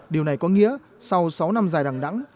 điều này có nghĩa sau sáu năm dài đẳng đẳng